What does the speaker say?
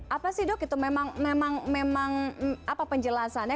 apa sih dok itu memang apa penjelasannya